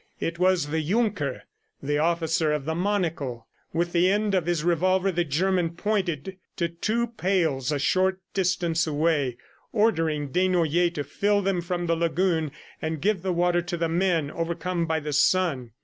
It was the Junker, the officer of the monocle. ... With the end of his revolver, the German pointed to two pails a short distance away, ordering Desnoyers to fill them from the lagoon and give the water to the men overcome by the sun.